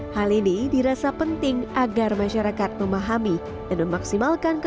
hal ini dirasa penting agar masyarakat memahami dan memaksimalkan kekuatan